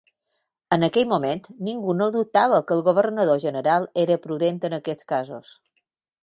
En aquell moment, ningú no dubtava que el governador general era prudent en aquests casos.